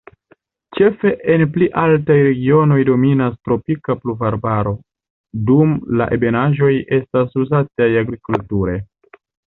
Ĉefe en pli altaj regionoj dominas tropika pluvarbaro, dum la ebenaĵoj estas uzataj agrikulture.